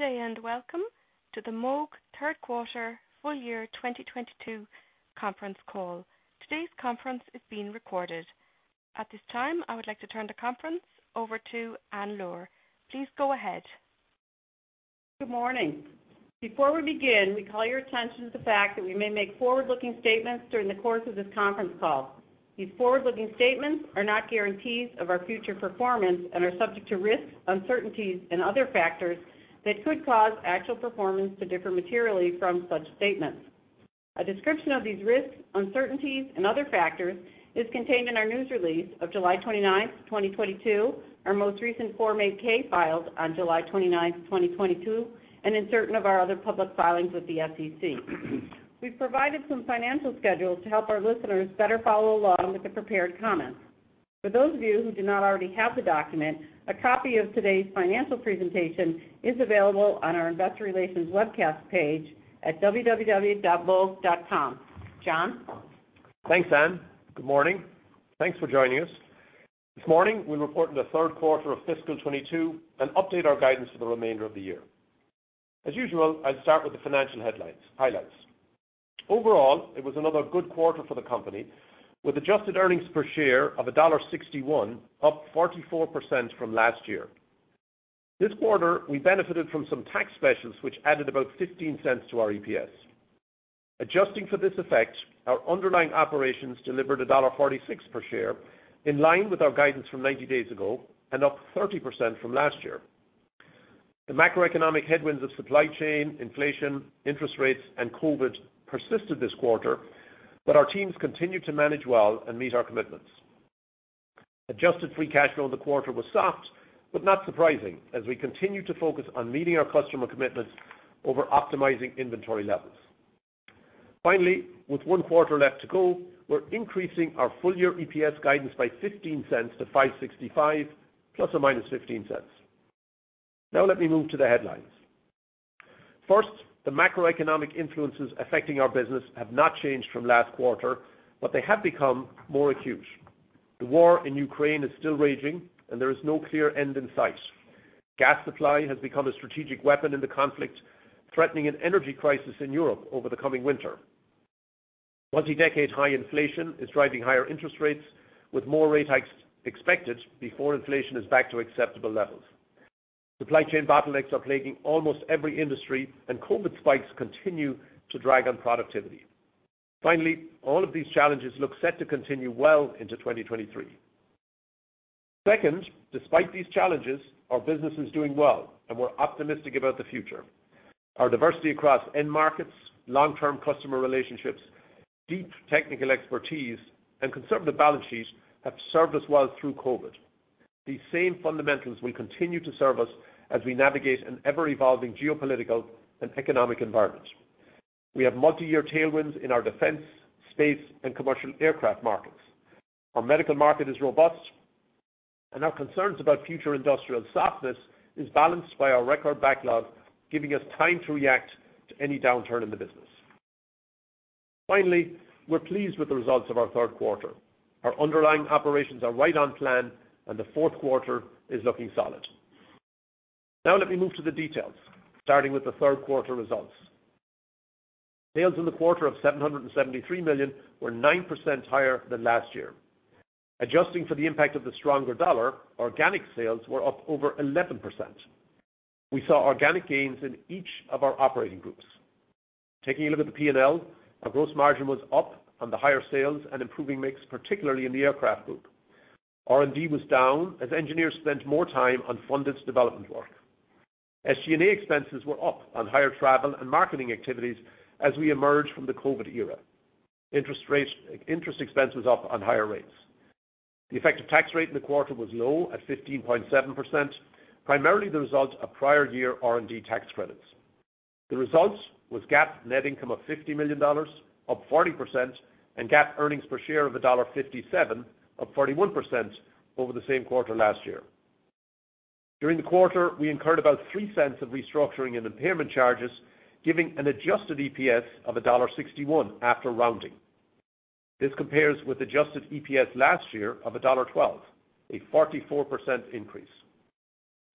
Good day, and welcome to the Moog third quarter full year 2022 conference call. Today's conference is being recorded. At this time, I would like to turn the conference over to Ann Luhr. Please go ahead. Good morning. Before we begin, we call your attention to the fact that we may make forward-looking statements during the course of this conference call. These forward-looking statements are not guarantees of our future performance and are subject to risks, uncertainties and other factors that could cause actual performance to differ materially from such statements. A description of these risks, uncertainties and other factors is contained in our news release of July 29, 2022, our most recent Form 8-K filed on July 29, 2022, and in certain of our other public filings with the SEC. We've provided some financial schedules to help our listeners better follow along with the prepared comments. For those of you who do not already have the document, a copy of today's financial presentation is available on our investor relations webcast page at www.moog.com. John. Thanks, Ann. Good morning. Thanks for joining us. This morning, we report on the third quarter of fiscal 2022 and update our guidance for the remainder of the year. As usual, I'll start with the financial headlines, highlights. Overall, it was another good quarter for the company with adjusted earnings per share of $1.61, up 44% from last year. This quarter, we benefited from some tax specials which added about $0.15 to our EPS. Adjusting for this effect, our underlying operations delivered a $1.46 per share, in line with our guidance from 90 days ago and up 30% from last year. The macroeconomic headwinds of supply chain, inflation, interest rates, and COVID persisted this quarter, but our teams continued to manage well and meet our commitments. Adjusted free cash flow in the quarter was soft but not surprising as we continued to focus on meeting our customer commitments over optimizing inventory levels. Finally, with one quarter left to go, we're increasing our full year EPS guidance by $0.15-$5.65 ± $0.15. Now let me move to the headlines. First, the macroeconomic influences affecting our business have not changed from last quarter, but they have become more acute. The war in Ukraine is still raging and there is no clear end in sight. Gas supply has become a strategic weapon in the conflict, threatening an energy crisis in Europe over the coming winter. Multi-decade high inflation is driving higher interest rates with more rate hikes expected before inflation is back to acceptable levels. Supply chain bottlenecks are plaguing almost every industry, and COVID spikes continue to drag on productivity. Finally, all of these challenges look set to continue well into 2023. Second, despite these challenges, our business is doing well, and we're optimistic about the future. Our diversity across end markets, long-term customer relationships, deep technical expertise, and conservative balance sheets have served us well through COVID. These same fundamentals will continue to serve us as we navigate an ever-evolving geopolitical and economic environment. We have multi-year tailwinds in our defense, space, and commercial aircraft markets. Our medical market is robust, and our concerns about future industrial softness is balanced by our record backlog, giving us time to react to any downturn in the business. Finally, we're pleased with the results of our third quarter. Our underlying operations are right on plan and the fourth quarter is looking solid. Now let me move to the details, starting with the third quarter results. Sales in the quarter of $773 million were 9% higher than last year. Adjusting for the impact of the stronger dollar, organic sales were up over 11%. We saw organic gains in each of our operating groups. Taking a look at the P&L, our gross margin was up on the higher sales and improving mix, particularly in the aircraft group. R&D was down as engineers spent more time on funded development work. SG&A expenses were up on higher travel and marketing activities as we emerge from the COVID era. Interest expense was up on higher rates. The effective tax rate in the quarter was low at 15.7%, primarily the result of prior year R&D tax credits. The results was GAAP net income of $50 million, up 40%, and GAAP earnings per share of $1.57, up 41% over the same quarter last year. During the quarter, we incurred about $0.03 of restructuring and impairment charges, giving an adjusted EPS of $1.61 after rounding. This compares with adjusted EPS last year of $1.12, a 44% increase.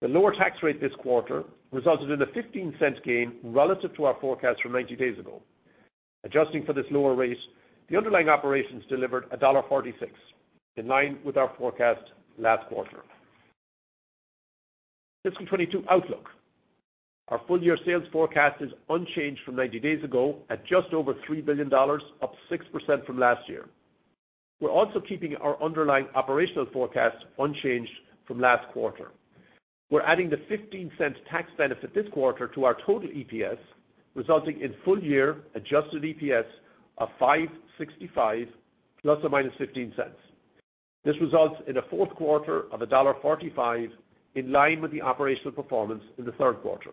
The lower tax rate this quarter resulted in a $0.15 gain relative to our forecast from 90 days ago. Adjusting for this lower rate, the underlying operations delivered a $1.46, in line with our forecast last quarter. Fiscal 2022 outlook. Our full year sales forecast is unchanged from 90 days ago at just over $3 billion, up 6% from last year. We're also keeping our underlying operational forecast unchanged from last quarter. We're adding the $0.15 tax benefit this quarter to our total EPS, resulting in full year adjusted EPS of $5.65 ±$0.15. This results in a fourth quarter of $1.45, in line with the operational performance in the third quarter.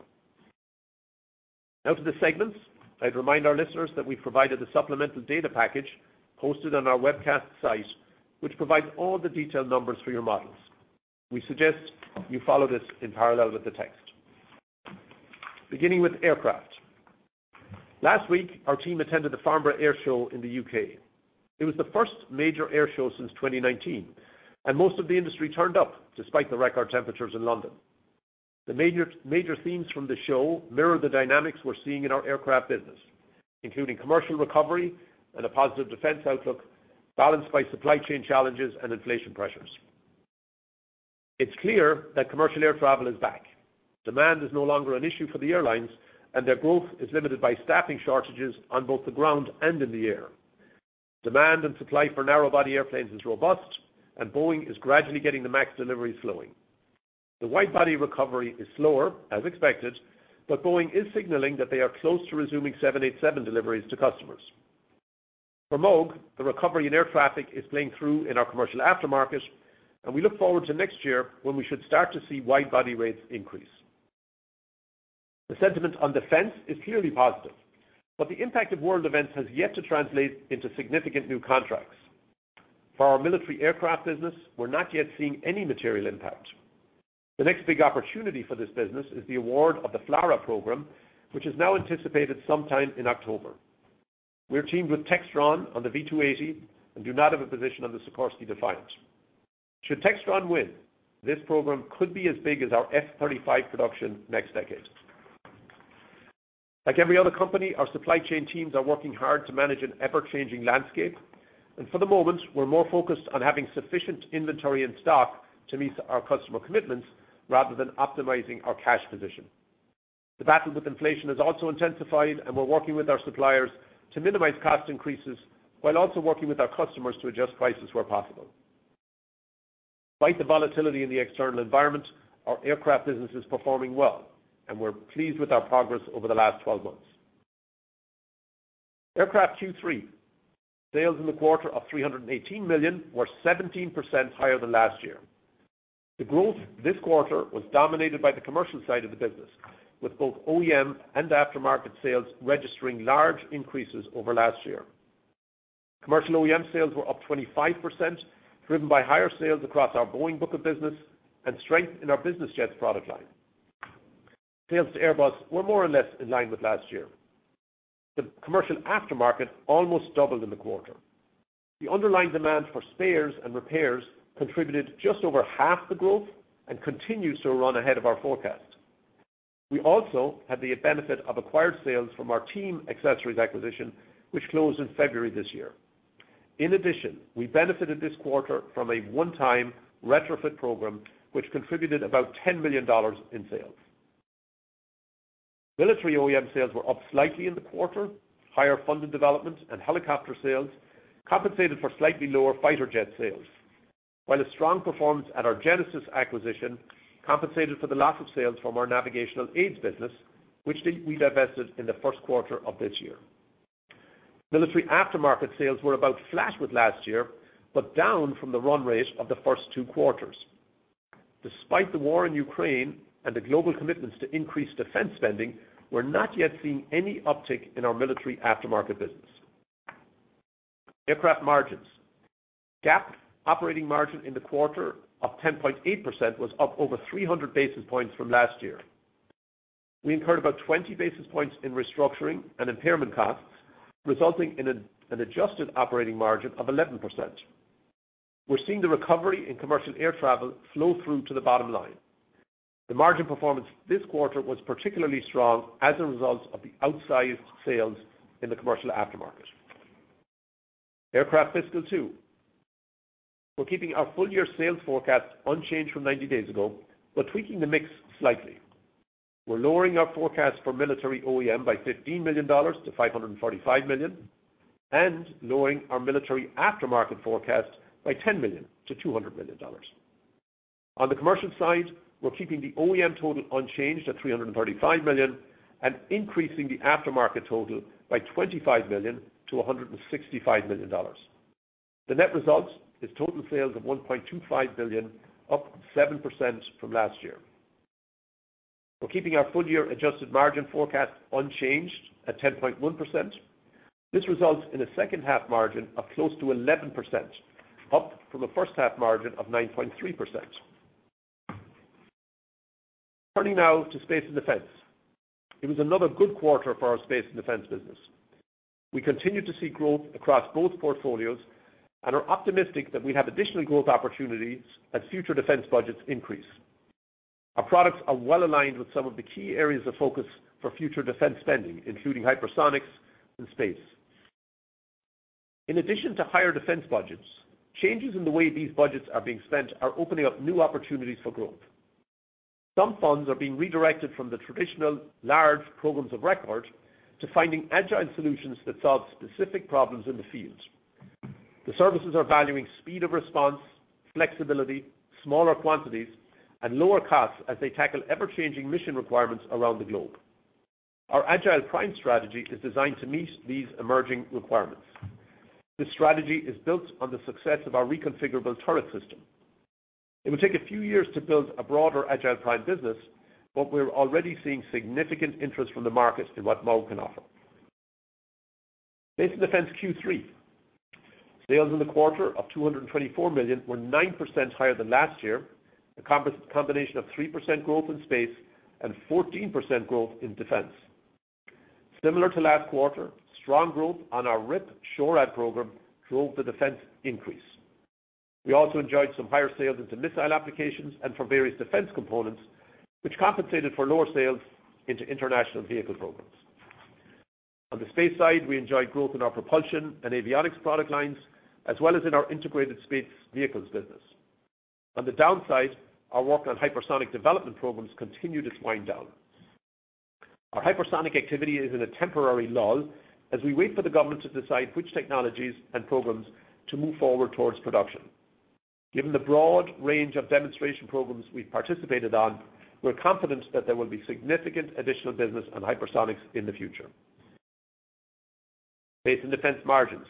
Now to the segments. I'd remind our listeners that we provided a supplemental data package posted on our webcast site, which provides all the detailed numbers for your models. We suggest you follow this in parallel with the text. Beginning with aircraft. Last week, our team attended the Farnborough Airshow in the U.K. It was the first major air show since 2019, and most of the industry turned up despite the record temperatures in London. The major themes from the show mirror the dynamics we're seeing in our aircraft business, including commercial recovery and a positive defense outlook, balanced by supply chain challenges and inflation pressures. It's clear that commercial air travel is back. Demand is no longer an issue for the airlines, and their growth is limited by staffing shortages on both the ground and in the air. Demand and supply for narrow body airplanes is robust, and Boeing is gradually getting the max deliveries flowing. The wide-body recovery is slower, as expected, but Boeing is signaling that they are close to resuming 787 deliveries to customers. For Moog, the recovery in air traffic is playing through in our commercial aftermarket, and we look forward to next year when we should start to see wide-body rates increase. The sentiment on defense is clearly positive, but the impact of world events has yet to translate into significant new contracts. For our military aircraft business, we're not yet seeing any material impact. The next big opportunity for this business is the award of the FLRAA program, which is now anticipated sometime in October. We're teamed with Textron on the V280 and do not have a position on the Sikorsky Defiant. Should Textron win, this program could be as big as our F-35 production next decade. Like every other company, our supply chain teams are working hard to manage an ever-changing landscape, and for the moment, we're more focused on having sufficient inventory and stock to meet our customer commitments rather than optimizing our cash position. The battle with inflation has also intensified, and we're working with our suppliers to minimize cost increases while also working with our customers to adjust prices where possible. Despite the volatility in the external environment, our aircraft business is performing well, and we're pleased with our progress over the last 12 months. Aircraft Q3 sales in the quarter of $318 million were 17% higher than last year. The growth this quarter was dominated by the commercial side of the business, with both OEM and aftermarket sales registering large increases over last year. Commercial OEM sales were up 25%, driven by higher sales across our Boeing book of business and strength in our business jets product line. Sales to Airbus were more or less in line with last year. The commercial aftermarket almost doubled in the quarter. The underlying demand for spares and repairs contributed just over half the growth and continues to run ahead of our forecast. We also had the benefit of acquired sales from our TEAM Accessories acquisition, which closed in February this year. In addition, we benefited this quarter from a one-time retrofit program which contributed about $10 million in sales. Military OEM sales were up slightly in the quarter. Higher funded development and helicopter sales compensated for slightly lower fighter jet sales, while a strong performance at our Genesys acquisition compensated for the loss of sales from our Navigation Aids business, which we divested in the first quarter of this year. Military aftermarket sales were about flat with last year, but down from the run rate of the first two quarters. Despite the war in Ukraine and the global commitments to increase defense spending, we're not yet seeing any uptick in our military aftermarket business. Aircraft margins. GAAP operating margin in the quarter of 10.8 was up over 300 basis points from last year. We incurred about 20 basis points in restructuring and impairment costs, resulting in an adjusted operating margin of 11%. We're seeing the recovery in commercial air travel flow through to the bottom line. The margin performance this quarter was particularly strong as a result of the outsized sales in the commercial aftermarket. Aircraft fiscal two. We're keeping our full-year sales forecast unchanged from ninety days ago, but tweaking the mix slightly. We're lowering our forecast for military OEM by $15 million-$545 million and lowering our military aftermarket forecast by $10 million-$200 million. On the commercial side, we're keeping the OEM total unchanged at $335 million and increasing the aftermarket total by $25 million-$165 million. The net result is total sales of $1.25 billion, up 7% from last year. We're keeping our full-year adjusted margin forecast unchanged at 10.1%. This results in a second-half margin of close to 11%, up from a first-half margin of 9.3%. Turning now to space and defense. It was another good quarter for our space and defense business. We continue to see growth across both portfolios and are optimistic that we have additional growth opportunities as future defense budgets increase. Our products are well aligned with some of the key areas of focus for future defense spending, including hypersonics and space. In addition to higher defense budgets, changes in the way these budgets are being spent are opening up new opportunities for growth. Some funds are being redirected from the traditional large programs of record to finding agile solutions that solve specific problems in the field. The services are valuing speed of response, flexibility, smaller quantities, and lower costs as they tackle ever-changing mission requirements around the globe. Our Agility Prime strategy is designed to meet these emerging requirements. This strategy is built on the success of our reconfigurable turret system. It will take a few years to build a broader Agility Prime business, but we're already seeing significant interest from the market in what Moog can offer. Based on defense Q3, sales in the quarter of $224 million were 9% higher than last year, a combination of 3% growth in space and 14% growth in defense. Similar to last quarter, strong growth on our RIwP SHORAD program drove the defense increase. We also enjoyed some higher sales into missile applications and for various defense components, which compensated for lower sales into international vehicle programs. On the space side, we enjoyed growth in our propulsion and avionics product lines, as well as in our integrated space vehicles business. On the downside, our work on hypersonic development programs continue to wind down. Our hypersonic activity is in a temporary lull as we wait for the government to decide which technologies and programs to move forward towards production. Given the broad range of demonstration programs we've participated on, we're confident that there will be significant additional business on hypersonics in the future. Based on defense margins,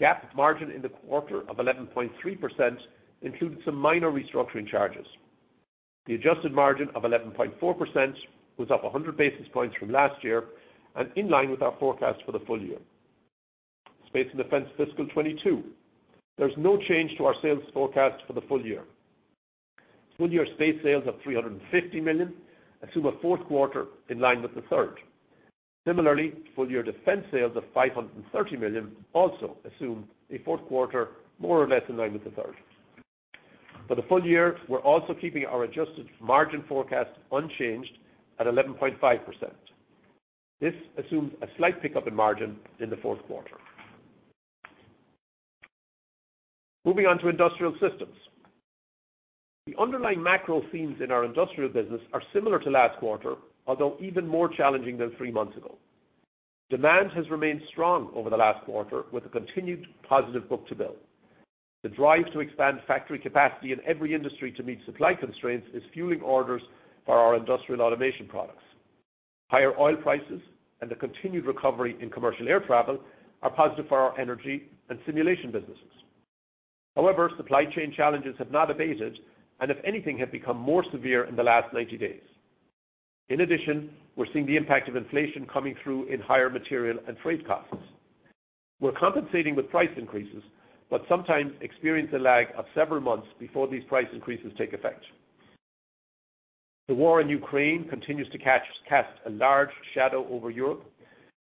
GAAP margin in the quarter of 11.3% included some minor restructuring charges. The adjusted margin of 11.4% was up 100 basis points from last year and in line with our forecast for the full year. Space and defense fiscal 2022, there's no change to our sales forecast for the full year. Full year space sales of $350 million assume a fourth quarter in line with the third. Similarly, full-year defense sales of $530 million also assume a fourth quarter more or less in line with the third. For the full year, we're also keeping our adjusted margin forecast unchanged at 11.5%. This assumes a slight pickup in margin in the fourth quarter. Moving on to industrial systems. The underlying macro themes in our industrial business are similar to last quarter, although even more challenging than three months ago. Demand has remained strong over the last quarter with a continued positive book-to-bill. The drive to expand factory capacity in every industry to meet supply constraints is fueling orders for our industrial automation products. Higher oil prices and the continued recovery in commercial air travel are positive for our energy and simulation businesses. However, supply chain challenges have not abated, and if anything, have become more severe in the last 90 days. In addition, we're seeing the impact of inflation coming through in higher material and freight costs. We're compensating with price increases, but sometimes experience a lag of several months before these price increases take effect. The war in Ukraine continues to cast a large shadow over Europe,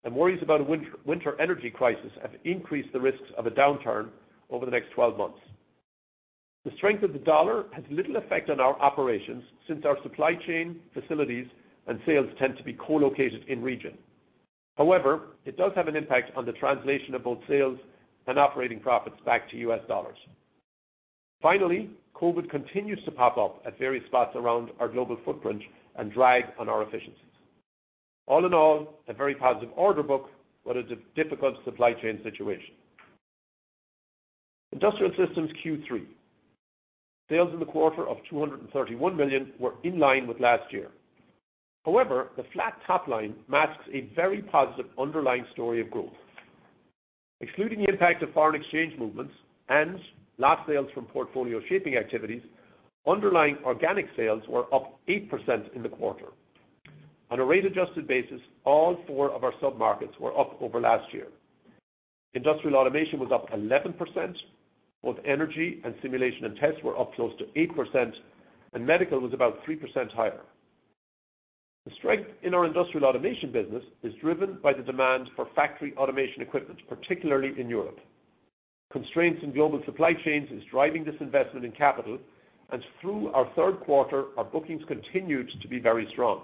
and worries about a winter energy crisis have increased the risks of a downturn over the next 12 months. The strength of the dollar has little effect on our operations since our supply chain, facilities, and sales tend to be co-located in region. However, it does have an impact on the translation of both sales and operating profits back to U.S. dollars. Finally, COVID continues to pop up at various spots around our global footprint and drag on our efficiencies. All in all, a very positive order book, but a difficult supply chain situation. Industrial systems Q3. Sales in the quarter of $231 million were in line with last year. However, the flat top line masks a very positive underlying story of growth. Excluding the impact of foreign exchange movements and lost sales from portfolio shaping activities, underlying organic sales were up 8% in the quarter. On a rate-adjusted basis, all four of our sub-markets were up over last year. Industrial automation was up 11%, both energy and simulation and tests were up close to 8%, and medical was about 3% higher. The strength in our industrial automation business is driven by the demand for factory automation equipment, particularly in Europe. Constraints in global supply chains is driving this investment in capital, and through our third quarter, our bookings continued to be very strong.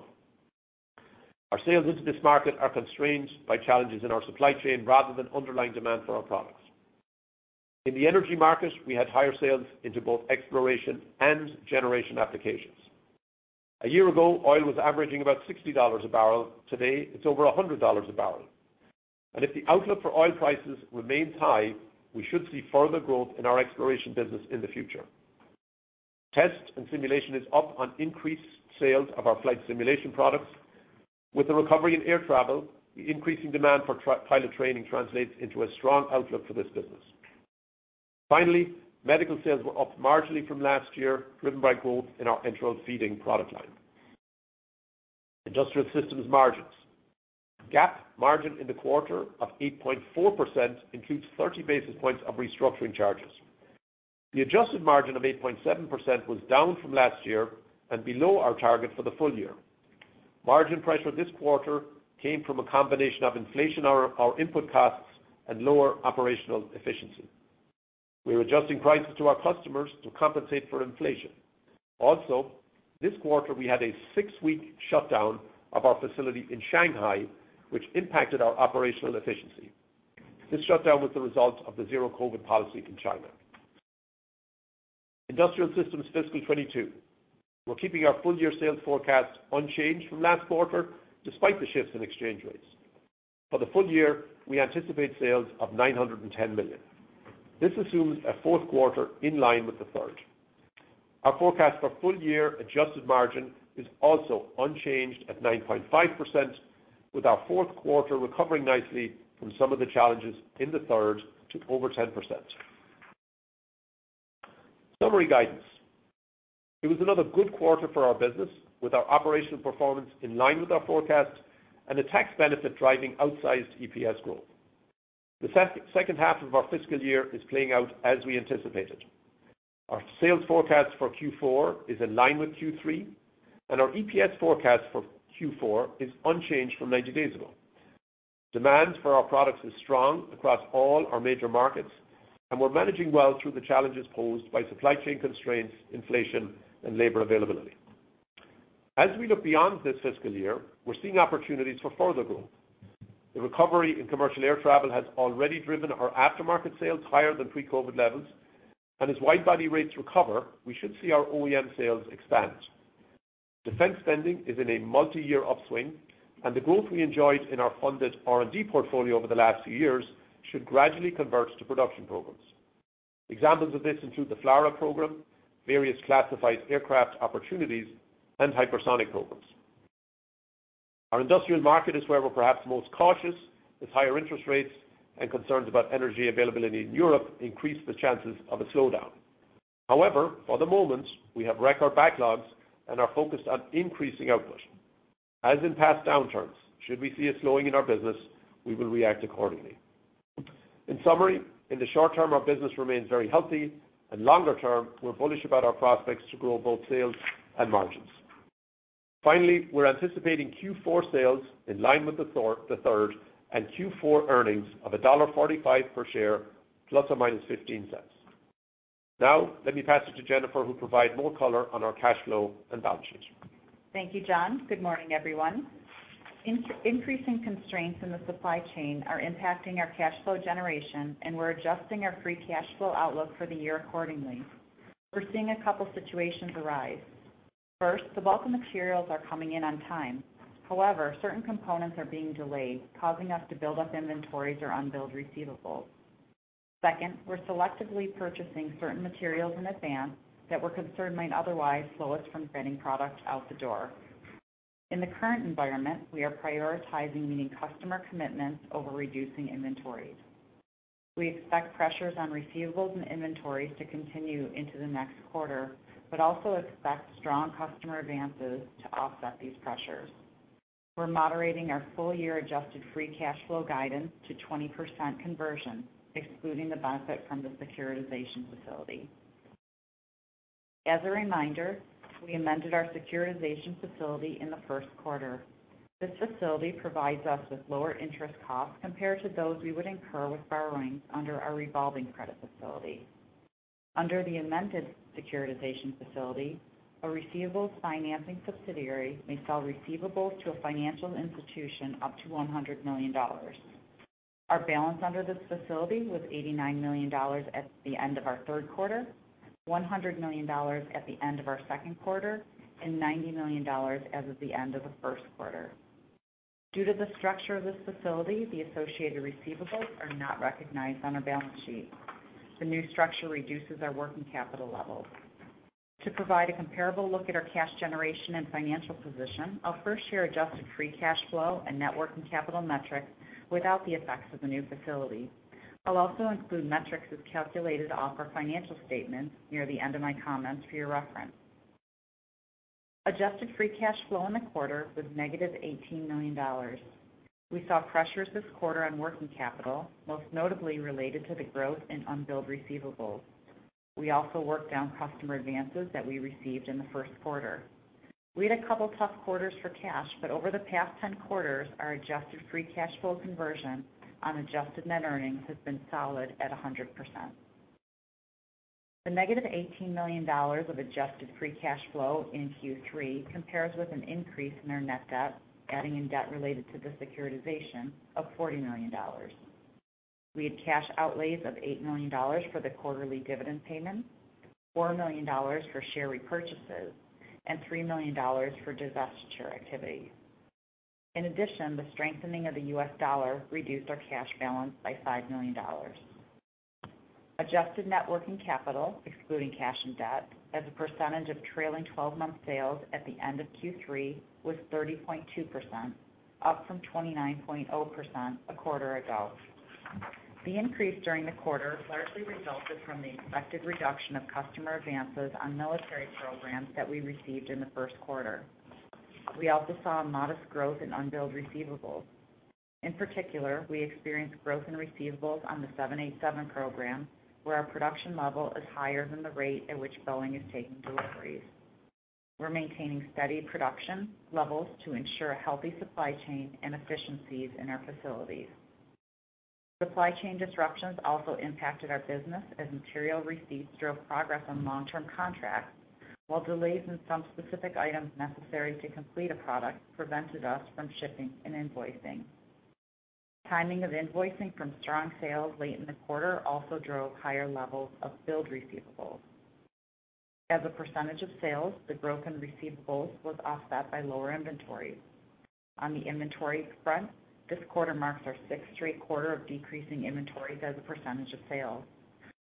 Our sales into this market are constrained by challenges in our supply chain rather than underlying demand for our products. In the energy market, we had higher sales into both exploration and generation applications. A year ago, oil was averaging about $60 a barrel. Today, it's over $100 a barrel. If the outlook for oil prices remains high, we should see further growth in our exploration business in the future. Test and simulation is up on increased sales of our flight simulation products. With the recovery in air travel, the increasing demand for pilot training translates into a strong outlook for this business. Finally, medical sales were up marginally from last year, driven by growth in our enteral feeding product line. Industrial systems margins. GAAP margin in the quarter of 8.4% includes 30 basis points of restructuring charges. The adjusted margin of 8.7% was down from last year and below our target for the full year. Margin pressure this quarter came from a combination of inflation on our input costs and lower operational efficiency. We're adjusting prices to our customers to compensate for inflation. Also, this quarter, we had a six-week shutdown of our facility in Shanghai, which impacted our operational efficiency. This shutdown was the result of the Zero-COVID policy in China. Industrial systems fiscal 2022, we're keeping our full year sales forecast unchanged from last quarter, despite the shifts in exchange rates. For the full year, we anticipate sales of $910 million. This assumes a fourth quarter in line with the third. Our forecast for full year adjusted margin is also unchanged at 9.5%, with our fourth quarter recovering nicely from some of the challenges in the third to over 10%. Summary guidance. It was another good quarter for our business, with our operational performance in line with our forecast and a tax benefit driving outsized EPS growth. The second half of our fiscal year is playing out as we anticipated. Our sales forecast for Q4 is in line with Q3, and our EPS forecast for Q4 is unchanged from 90 days ago. Demand for our products is strong across all our major markets, and we're managing well through the challenges posed by supply chain constraints, inflation, and labor availability. As we look beyond this fiscal year, we're seeing opportunities for further growth. The recovery in commercial air travel has already driven our aftermarket sales higher than pre-COVID levels. As wide-body rates recover, we should see our OEM sales expand. Defense spending is in a multiyear upswing, and the growth we enjoyed in our funded R&D portfolio over the last few years should gradually convert to production programs. Examples of this include the FLRAA program, various classified aircraft opportunities, and hypersonic programs. Our industrial market is where we're perhaps most cautious, as higher interest rates and concerns about energy availability in Europe increase the chances of a slowdown. However, for the moment, we have record backlogs and are focused on increasing output. As in past downturns, should we see a slowing in our business, we will react accordingly. In summary, in the short term, our business remains very healthy, and longer term, we're bullish about our prospects to grow both sales and margins. Finally, we're anticipating Q4 sales in line with the third and Q4 earnings of $1.45 per share ±$0.15. Now let me pass it to Jennifer, who'll provide more color on our cash flow and balance sheet. Thank you, John. Good morning, everyone. Increasing constraints in the supply chain are impacting our cash flow generation, and we're adjusting our free cash flow outlook for the year accordingly. We're seeing a couple situations arise. First, the bulk of materials are coming in on time. However, certain components are being delayed, causing us to build up inventories or unbilled receivables. Second, we're selectively purchasing certain materials in advance that we're concerned might otherwise slow us from getting product out the door. In the current environment, we are prioritizing meeting customer commitments over reducing inventories. We expect pressures on receivables and inventories to continue into the next quarter, but also expect strong customer advances to offset these pressures. We're moderating our full-year adjusted free cash flow guidance to 20% conversion, excluding the benefit from the securitization facility. As a reminder, we amended our securitization facility in the first quarter. This facility provides us with lower interest costs compared to those we would incur with borrowings under our revolving credit facility. Under the amended securitization facility, a receivables financing subsidiary may sell receivables to a financial institution up to $100 million. Our balance under this facility was $89 million at the end of our third quarter, $100 million at the end of our second quarter, and $90 million as of the end of the first quarter. Due to the structure of this facility, the associated receivables are not recognized on our balance sheet. The new structure reduces our working capital levels. To provide a comparable look at our cash generation and financial position, I'll first share adjusted free cash flow and net working capital metrics without the effects of the new facility. I'll also include metrics as calculated off our financial statements near the end of my comments for your reference. Adjusted free cash flow in the quarter was -$18 million. We saw pressures this quarter on working capital, most notably related to the growth in unbilled receivables. We also worked down customer advances that we received in the first quarter. We had a couple tough quarters for cash, but over the past 10 quarters, our adjusted free cash flow conversion on adjusted net earnings has been solid at 100%. The -$18 million of adjusted free cash flow in Q3 compares with an increase in our net debt, adding in debt related to the securitization of $40 million. We had cash outlays of $8 million for the quarterly dividend payment, $4 million for share repurchases, and $3 million for divestiture activities. In addition, the strengthening of the U.S. dollar reduced our cash balance by $5 million. Adjusted net working capital, excluding cash and debt, as a percentage of trailing twelve-month sales at the end of Q3 was 30.2%, up from 29.0% a quarter ago. The increase during the quarter largely resulted from the expected reduction of customer advances on military programs that we received in the first quarter. We also saw a modest growth in unbilled receivables. In particular, we experienced growth in receivables on the 787 program, where our production level is higher than the rate at which Boeing is taking deliveries. We're maintaining steady production levels to ensure a healthy supply chain and efficiencies in our facilities. Supply chain disruptions also impacted our business as material receipts drove progress on long-term contracts, while delays in some specific items necessary to complete a product prevented us from shipping and invoicing. Timing of invoicing from strong sales late in the quarter also drove higher levels of billed receivables. As a percentage of sales, the growth in receivables was offset by lower inventories. On the inventory front, this quarter marks our sixth straight quarter of decreasing inventories as a percentage of sales.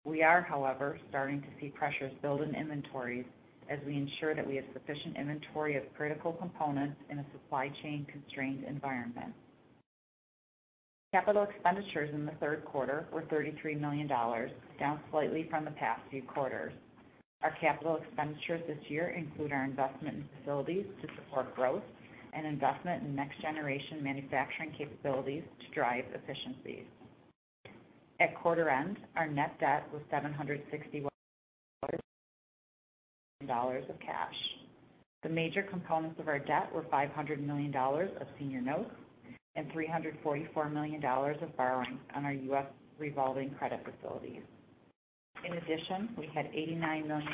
We are, however, starting to see pressures build in inventories as we ensure that we have sufficient inventory of critical components in a supply chain constrained environment. Capital expenditures in the third quarter were $33 million, down slightly from the past few quarters. Our capital expenditures this year include our investment in facilities to support growth and investment in next-generation manufacturing capabilities to drive efficiencies. At quarter end, our net debt was $761 million of cash. The major components of our debt were $500 million of senior notes and $344 million of borrowing on our U.S. revolving credit facilities. In addition, we had $89 million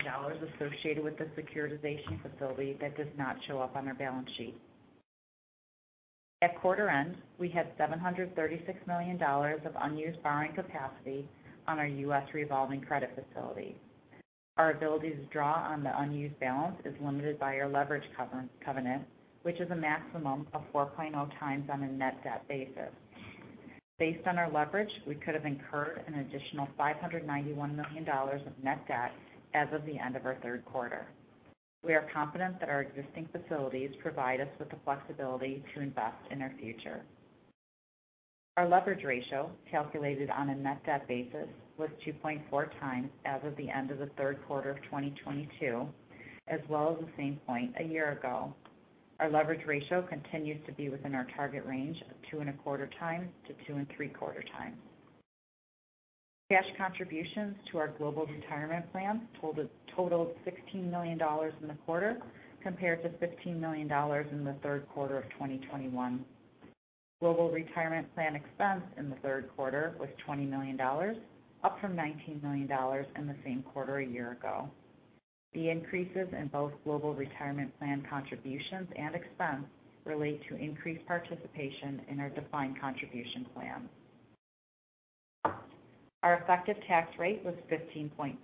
associated with the securitization facility that does not show up on our balance sheet. At quarter end, we had $736 million of unused borrowing capacity on our U.S. revolving credit facility. Our ability to draw on the unused balance is limited by our leverage covenant, which is a maximum of 4.0x on a net debt basis. Based on our leverage, we could have incurred an additional $591 million of net debt as of the end of our third quarter. We are confident that our existing facilities provide us with the flexibility to invest in our future. Our leverage ratio, calculated on a net debt basis, was 2.4 times as of the end of the third quarter of 2022, as well as the same point a year ago. Our leverage ratio continues to be within our target range of 2.25-2.75 times. Cash contributions to our global retirement plan totaled $16 million in the quarter, compared to $15 million in the third quarter of 2021. Global retirement plan expense in the third quarter was $20 million, up from $19 million in the same quarter a year ago. The increases in both global retirement plan contributions and expense relate to increased participation in our defined contribution plan. Our effective tax rate was 15.7%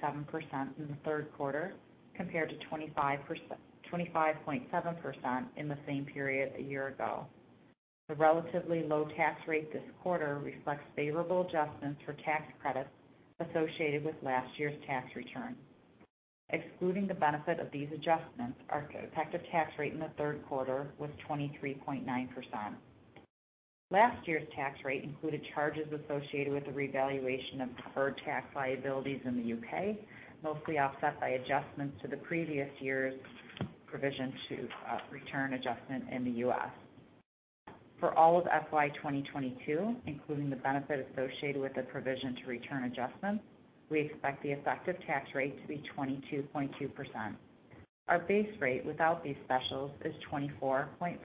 in the third quarter, compared to 25.7% in the same period a year ago. The relatively low tax rate this quarter reflects favorable adjustments for tax credits associated with last year's tax return. Excluding the benefit of these adjustments, our effective tax rate in the third quarter was 23.9%. Last year's tax rate included charges associated with the revaluation of deferred tax liabilities in the U.K., mostly offset by adjustments to the previous year's provision to return adjustment in the U.S. For all of FY 2022, including the benefit associated with the provision to return adjustments, we expect the effective tax rate to be 22.2%. Our base rate without these specials is 24.4%.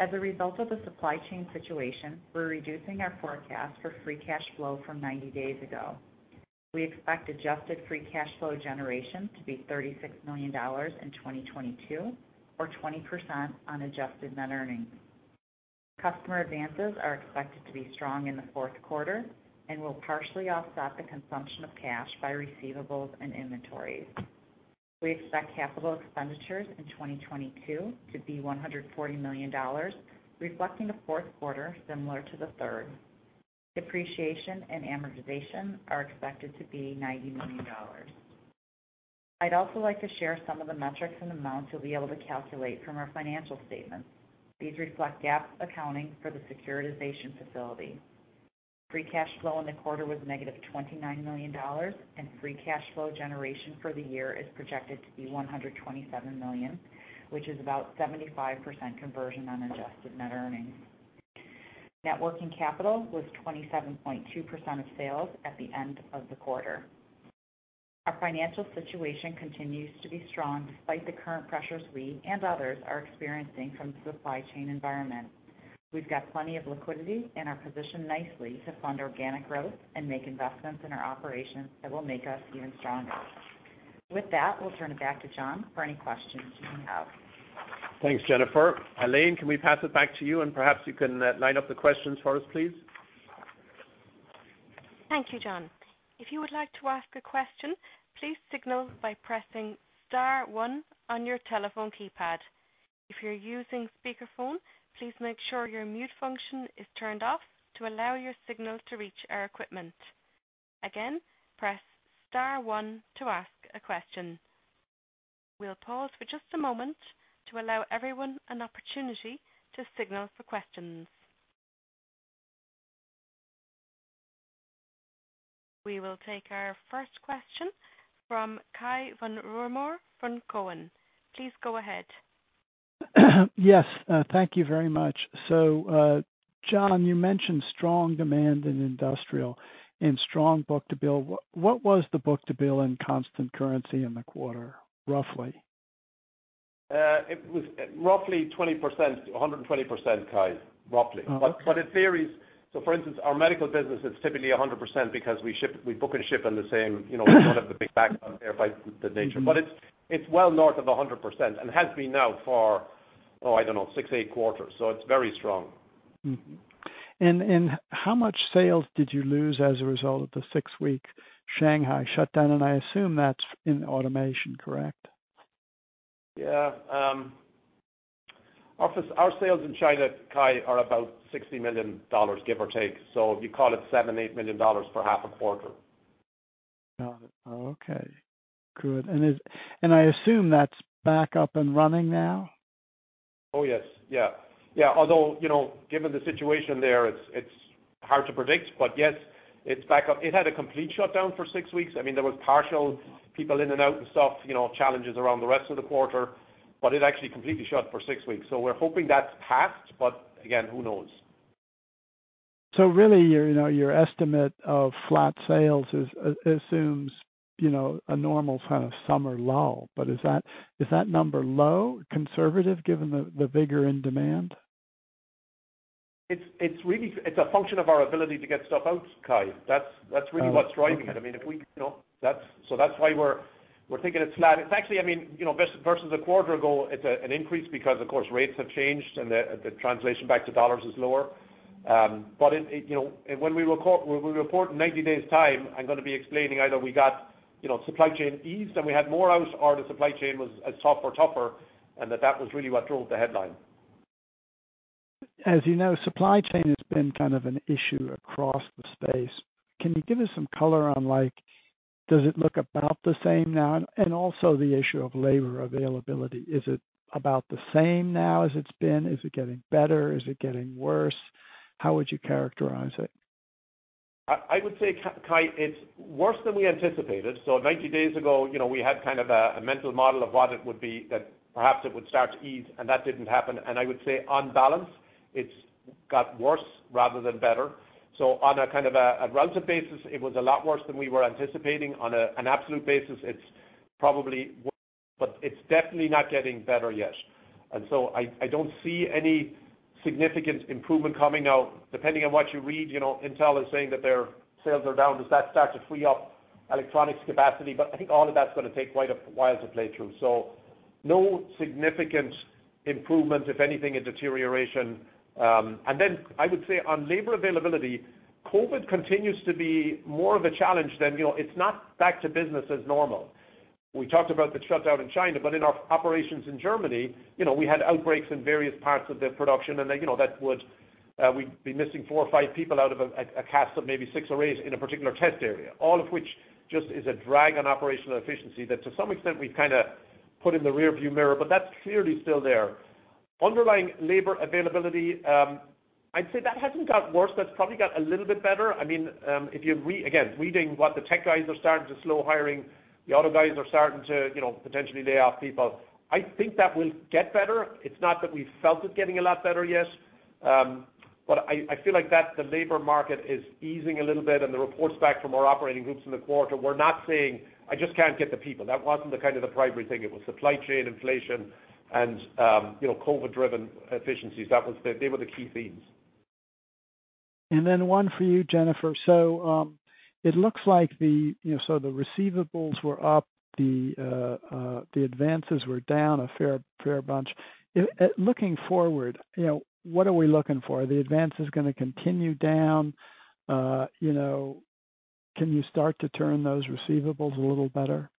As a result of the supply chain situation, we're reducing our forecast for free cash flow from 90 days ago. We expect adjusted free cash flow generation to be $36 million in 2022 or 20% on adjusted net earnings. Customer advances are expected to be strong in the fourth quarter and will partially offset the consumption of cash by receivables and inventories. We expect capital expenditures in 2022 to be $140 million, reflecting a fourth quarter similar to the third. Depreciation and amortization are expected to be $90 million. I'd also like to share some of the metrics and amounts you'll be able to calculate from our financial statements. These reflect GAAP accounting for the securitization facility. Free cash flow in the quarter was -$29 million, and free cash flow generation for the year is projected to be $127 million, which is about 75% conversion on adjusted net earnings. Net working capital was 27.2% of sales at the end of the quarter. Our financial situation continues to be strong despite the current pressures we and others are experiencing from the supply chain environment. We've got plenty of liquidity and are positioned nicely to fund organic growth and make investments in our operations that will make us even stronger. With that, we'll turn it back to John for any questions you may have. Thanks, Jennifer. Elaine, can we pass it back to you, and perhaps you can line up the questions for us, please? Thank you, John. If you would like to ask a question, please signal by pressing star one on your telephone keypad. If you're using speakerphone, please make sure your mute function is turned off to allow your signal to reach our equipment. Again, press star one to ask a question. We'll pause for just a moment to allow everyone an opportunity to signal for questions. We will take our first question from Cai von Rumohr from Cowen. Please go ahead. Yes. Thank you very much. John, you mentioned strong demand in industrial and strong book-to-bill. What was the book-to-bill in constant currency in the quarter, roughly? It was roughly 120%, Cai, roughly. Okay. In theory. For instance, our medical business is typically 100% because we ship, we book and ship in the same, you know, we don't have the big backlog there by nature. Mm-hmm. It's well north of 100% and has been now for, oh, I don't know, six, eght quarters. It's very strong. Mm-hmm. How much sales did you lose as a result of the six-week Shanghai shutdown? I assume that's in automation, correct? Yeah. Our sales in China, Cai von Rumohr, are about $60 million, give or take. If you call it $7-$8 million for half a quarter. Got it. Okay, good. I assume that's back up and running now? Oh, yes. Yeah. Although, you know, given the situation there, it's hard to predict. Yes, it's back up. It had a complete shutdown for six weeks. I mean, there was partial people in and out and stuff, you know, challenges around the rest of the quarter, but it actually completely shut for six weeks. We're hoping that's passed, but again, who knows? really, you know, your estimate of flat sales assumes, you know, a normal kind of summer lull. Is that number low, conservative given the vigor in demand? It's really a function of our ability to get stuff out, Cai. That's really what's driving it. That's why we're thinking it's flat. It's actually versus a quarter ago, it's an increase because of course, rates have changed and the translation back to dollars is lower. But it, you know, when we report in 90 days time, I'm gonna be explaining either we got supply chain eased and we had more out or the supply chain was as tough or tougher and that was really what drove the headline. As you know, supply chain has been kind of an issue across the space. Can you give us some color on like, does it look about the same now? Also the issue of labor availability, is it about the same now as it's been? Is it getting better? Is it getting worse? How would you characterize it? I would say, Cai, it's worse than we anticipated. Ninety days ago, you know, we had kind of a mental model of what it would be that perhaps it would start to ease and that didn't happen. I would say on balance it's got worse rather than better. On a kind of a relative basis, it was a lot worse than we were anticipating. On an absolute basis, it's probably worse, but it's definitely not getting better yet. I don't see any significant improvement coming out depending on what you read. You know, Intel is saying that their sales are down as that starts to free up electronics capacity. I think all of that's gonna take quite a while to play through. No significant improvement, if anything, a deterioration. I would say on labor availability, COVID continues to be more of a challenge than, you know, it's not back to business as normal. We talked about the shutdown in China, but in our operations in Germany, you know, we had outbreaks in various parts of their production and they, you know, that would, we'd be missing four or five people out of a cast of maybe six arrays in a particular test area. All of which just is a drag on operational efficiency that to some extent we've kinda put in the rear view mirror, but that's clearly still there. Underlying labor availability, I'd say that hasn't got worse. That's probably got a little bit better. I mean, if you're again reading what the tech guys are starting to slow hiring, the auto guys are starting to, you know, potentially lay off people. I think that will get better. It's not that we felt it getting a lot better yet. I feel like that the labor market is easing a little bit and the reports back from our operating groups in the quarter were not saying, "I just can't get the people." That wasn't the kind of the primary thing. It was supply chain, inflation and, you know, COVID driven efficiencies. That was. They were the key themes. One for you, Jennifer. It looks like, you know, the receivables were up, the advances were down a fair bunch. Looking forward, you know, what are we looking for? Are the advances gonna continue down? You know, can you start to turn those receivables a little better?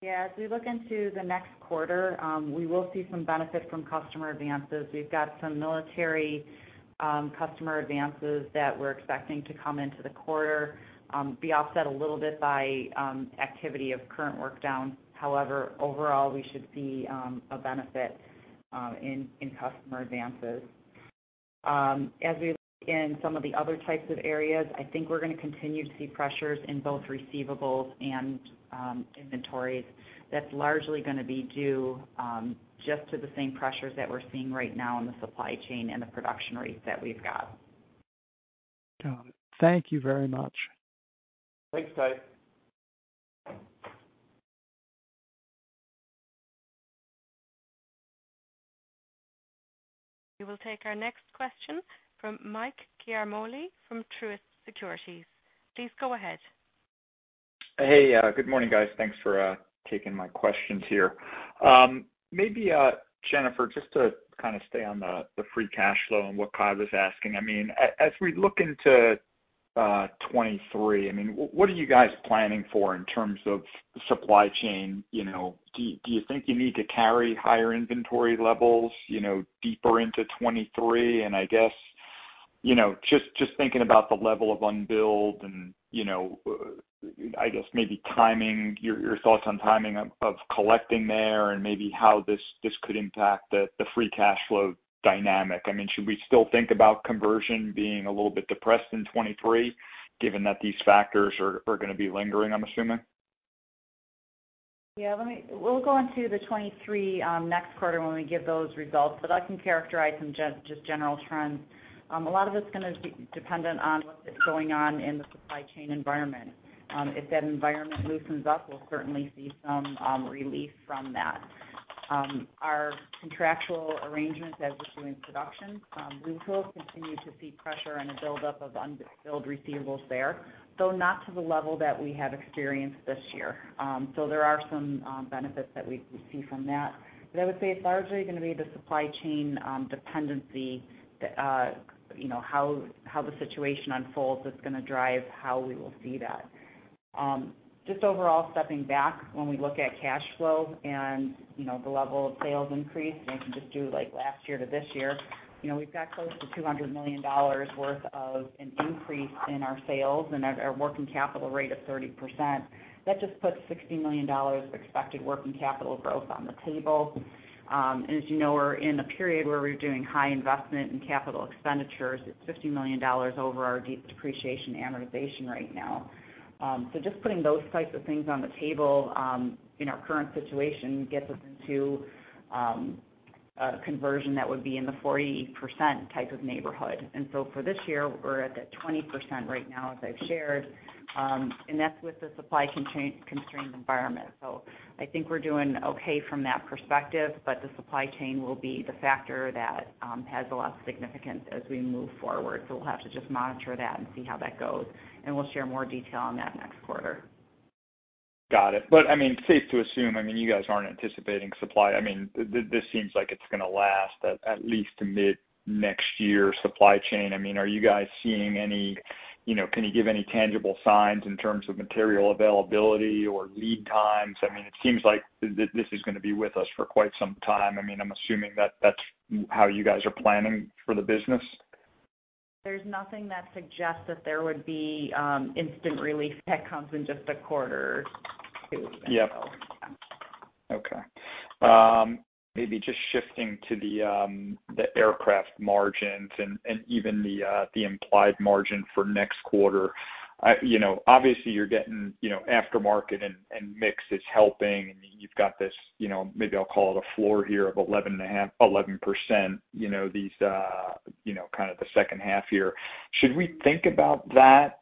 Yeah. As we look into the next quarter, we will see some benefit from customer advances. We've got some military customer advances that we're expecting to come into the quarter, be offset a little bit by activity of current work down. However, overall, we should see a benefit in customer advances. As we look in some of the other types of areas, I think we're gonna continue to see pressures in both receivables and inventories. That's largely gonna be due just to the same pressures that we're seeing right now in the supply chain and the production rates that we've got. Got it. Thank you very much. Thanks, Cai. We will take our next question from Michael Ciarmoli from Truist Securities. Please go ahead. Hey, good morning guys. Thanks for taking my questions here. Maybe, Jennifer, just to kind of stay on the free cash flow and what Kai was asking. I mean, as we look into 2023, I mean, what are you guys planning for in terms of supply chain? You know, do you think you need to carry higher inventory levels, you know, deeper into 2023? I guess, you know, just thinking about the level of unbilled and, you know, I guess maybe timing your thoughts on timing of collecting there and maybe how this could impact the free cash flow dynamic. I mean, should we still think about conversion being a little bit depressed in 2023 given that these factors are gonna be lingering, I'm assuming? We'll go into the 2023 next quarter when we give those results, but I can characterize some general trends. A lot of it's gonna be dependent on what is going on in the supply chain environment. If that environment loosens up, we'll certainly see some relief from that. Our contractual arrangements as we're doing production, we will continue to see pressure and a buildup of unbilled receivables there, though not to the level that we have experienced this year. There are some benefits that we see from that. I would say it's largely gonna be the supply chain dependency that, you know, how the situation unfolds is gonna drive how we will see that. Just overall stepping back when we look at cash flow and, you know, the level of sales increase, and you can just do like last year to this year, you know, we've got close to $200 million worth of an increase in our sales and our working capital rate of 30%. That just puts $60 million expected working capital growth on the table. And as you know, we're in a period where we're doing high investment in capital expenditures. It's $50 million over our depreciation amortization right now. Just putting those types of things on the table, in our current situation gets us into conversion that would be in the 40% type of neighborhood. For this year, we're at that 20% right now, as I've shared, and that's with the supply constrained environment. I think we're doing okay from that perspective, but the supply chain will be the factor that has a lot of significance as we move forward. We'll have to just monitor that and see how that goes, and we'll share more detail on that next quarter. Got it. I mean, safe to assume, I mean, you guys aren't anticipating supply. I mean, this seems like it's gonna last at least to mid-next year supply chain. I mean, are you guys seeing any, you know, can you give any tangible signs in terms of material availability or lead times? I mean, it seems like this is gonna be with us for quite some time. I mean, I'm assuming that that's how you guys are planning for the business. There's nothing that suggests that there would be instant relief that comes in just a quarter or two. Yep. Okay. Maybe just shifting to the aircraft margins and even the implied margin for next quarter. I know, obviously you're getting aftermarket and mix is helping, and you've got this, maybe I'll call it a floor here of 11%, these kind of the second half here. Should we think about that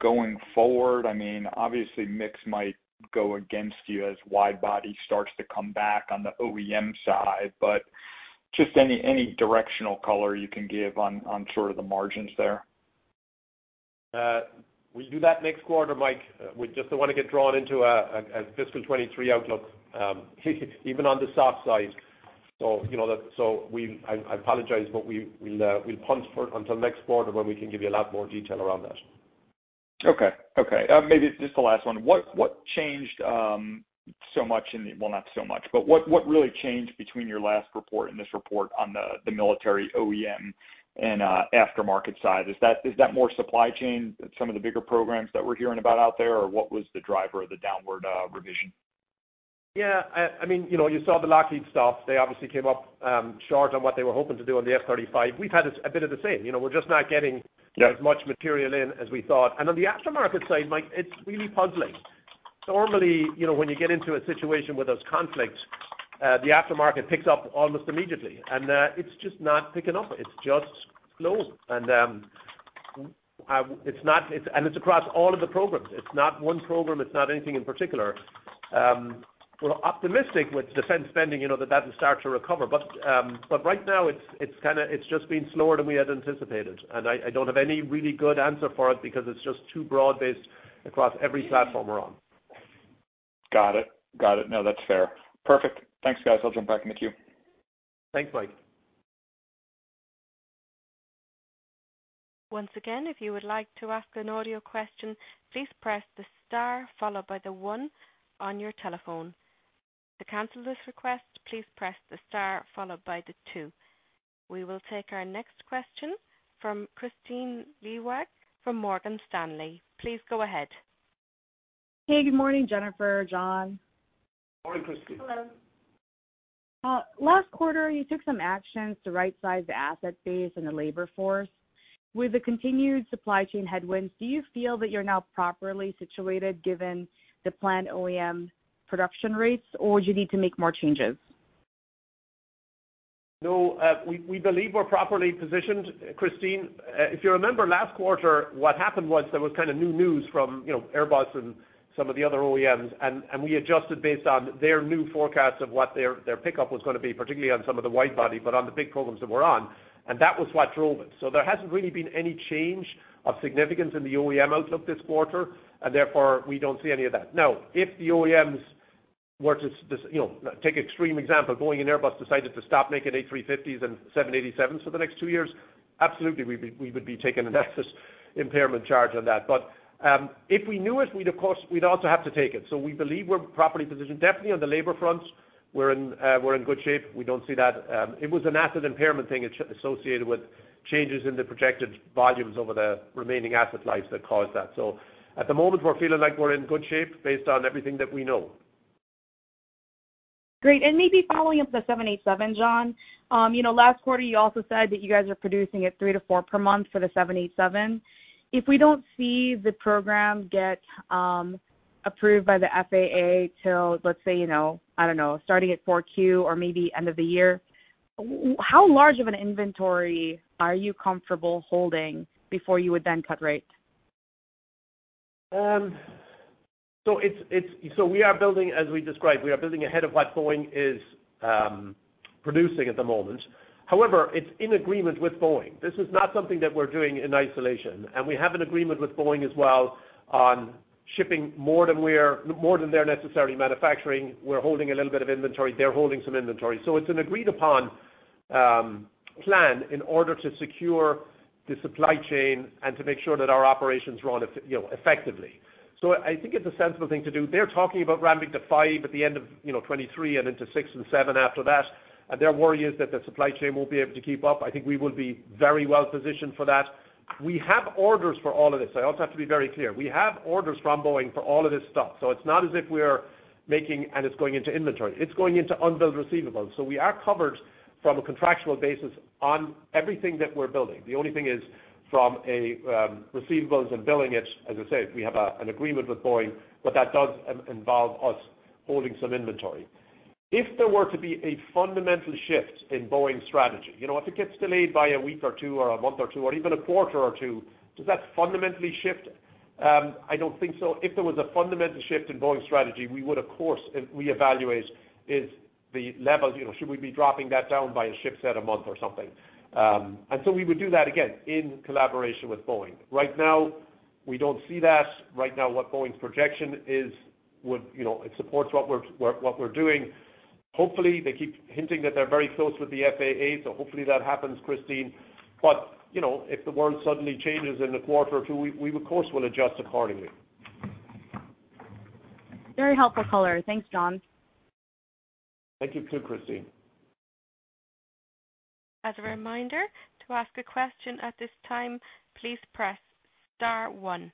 going forward? I mean, obviously, mix might go against you as wide-body starts to come back on the OEM side, but just any directional color you can give on sort of the margins there. We do that next quarter, Mike. We just don't wanna get drawn into a fiscal 2023 outlook, even on the soft side. You know that, I apologize, but we'll punt until next quarter when we can give you a lot more detail around that. Okay. Maybe just the last one. What changed so much? Well, not so much, but what really changed between your last report and this report on the military OEM and aftermarket side? Is that more supply chain, some of the bigger programs that we're hearing about out there, or what was the driver of the downward revision? Yeah. I mean, you know, you saw the Lockheed stuff. They obviously came up short on what they were hoping to do on the F-35. We've had a bit of the same. You know, we're just not getting as much material in as we thought. On the aftermarket side, Mike, it's really puzzling. Normally, you know, when you get into a situation with those conflicts, the aftermarket picks up almost immediately, and it's just not picking up. It's just slow. It's not, it's across all of the programs. It's not one program. It's not anything in particular. We're optimistic with defense spending, you know, that will start to recover. Right now, it's kinda just been slower than we had anticipated, and I don't have any really good answer for it because it's just too broad-based across every platform we're on. Got it. No, that's fair. Perfect. Thanks, guys. I'll jump back in the queue. Thanks, Mike. Once again, if you would like to ask an audio question, please press the star followed by the one on your telephone. To cancel this request, please press the star followed by the two. We will take our next question from Kristine Liwag from Morgan Stanley. Please go ahead. Hey, good morning, Jennifer, John. Morning, Kristine. Hello. Last quarter, you took some actions to right-size the asset base and the labor force. With the continued supply chain headwinds, do you feel that you're now properly situated given the planned OEM production rates, or do you need to make more changes? No, we believe we're properly positioned, Kristine. If you remember last quarter, what happened was there was kind of new news from, you know, Airbus and some of the other OEMs, and we adjusted based on their new forecast of what their pickup was gonna be, particularly on some of the wide-body, but on the big programs that we're on, and that was what drove it. There hasn't really been any change of significance in the OEM outlook this quarter, and therefore, we don't see any of that. Now, if the OEMs were to just, you know, take extreme example, Boeing and Airbus decided to stop making A350s and 787s for the next two years, absolutely we would be taking an asset impairment charge on that. If we knew it, we'd, of course, also have to take it. We believe we're properly positioned. Definitely on the labor front, we're in good shape. We don't see that. It was an asset impairment thing associated with changes in the projected volumes over the remaining asset lives that caused that. At the moment, we're feeling like we're in good shape based on everything that we know. Great. Maybe following up the 787, John. You know, last quarter you also said that you guys are producing at three-four per month for the 787. If we don't see the program get approved by the FAA till, let's say, you know, I don't know, starting at 4Q or maybe end of the year, how large of an inventory are you comfortable holding before you would then cut rates? We are building, as we described, we are building ahead of what Boeing is producing at the moment. However, it's in agreement with Boeing. This is not something that we're doing in isolation, and we have an agreement with Boeing as well on shipping more than they're necessarily manufacturing. We're holding a little bit of inventory. They're holding some inventory. It's an agreed upon plan in order to secure the supply chain and to make sure that our operations run you know, effectively. I think it's a sensible thing to do. They're talking about ramping to five at the end of 2023 and into six and seven after that. Their worry is that the supply chain won't be able to keep up. I think we will be very well positioned for that. We have orders for all of this. I also have to be very clear. We have orders from Boeing for all of this stuff, so it's not as if we are making and it's going into inventory. It's going into unbilled receivables. We are covered from a contractual basis on everything that we're building. The only thing is from receivables and billing it, as I said, we have an agreement with Boeing, but that does involve us holding some inventory. If there were to be a fundamental shift in Boeing's strategy, you know, if it gets delayed by a week or two or a month or two or even a quarter or two, does that fundamentally shift? I don't think so. If there was a fundamental shift in Boeing's strategy, we would of course reevaluate the levels, you know, should we be dropping that down by a ship set a month or something? We would do that again in collaboration with Boeing. Right now, we don't see that. Right now, what Boeing's projection is would, you know, it supports what we're doing. Hopefully, they keep hinting that they're very close with the FAA. Hopefully that happens, Kristine. You know, if the world suddenly changes in a quarter or two, we of course will adjust accordingly. Very helpful color. Thanks, John. Thank you to, Kristine. As a reminder, to ask a question at this time, please press star one.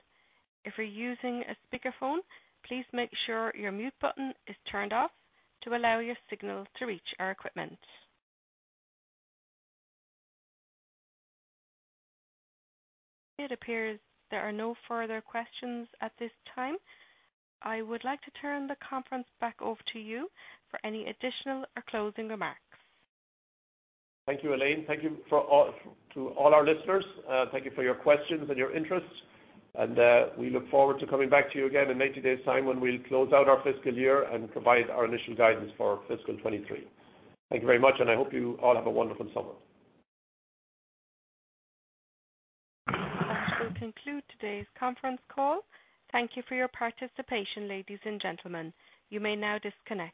If you're using a speakerphone, please make sure your mute button is turned off to allow your signal to reach our equipment. It appears there are no further questions at this time. I would like to turn the conference back over to you for any additional or closing remarks. Thank you, Elaine. To all our listeners, thank you for your questions and your interest. We look forward to coming back to you again in 90 days' time when we'll close out our fiscal year and provide our initial guidance for fiscal 2023. Thank you very much, and I hope you all have a wonderful summer. That will conclude today's conference call. Thank you for your participation, ladies and gentlemen. You may now disconnect.